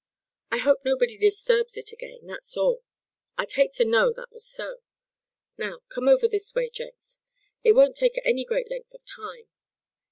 I hope nobody disturbs it again, that's all. I'd hate to know that was so. Now, come over this way, Jenks. It won't take any great length of time."